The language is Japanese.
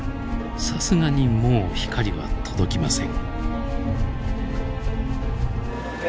さすがにもう光は届きません。